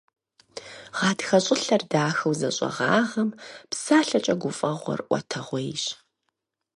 Гъатхэ щӀылъэр дахэу зэщӀэгъагъэм, псалъэкӀэ гуфӀэгъуэр Ӏуэтэгъуейщ.